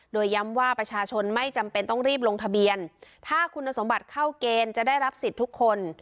โดยย้ำว่าประชาชนไม่จำเป็นต้องรีบลงทะเบียนถ้าคุณสมบัติเข้าเกณฑ์จะได้รับสิทธิ์ทุกคน